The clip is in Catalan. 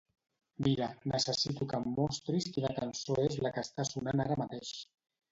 Mira, necessito que em mostris quina cançó és la que està sonant ara mateix.